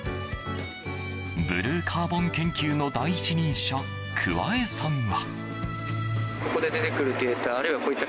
ブルーカーボン研究の第一人者桑江さんは。